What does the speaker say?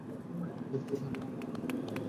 দেখতে খেলনার মতো।